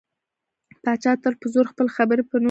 پاچا تل په زور خپلې خبرې په نورو مني .